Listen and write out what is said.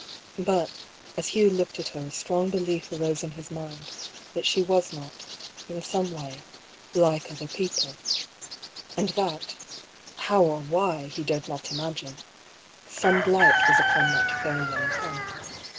But, as Hugh looked at her a strong be lief arose in his mind that she was not, in some way, like other people ; and that — how or why, he dared not imagine — some blight was upon that fair young head.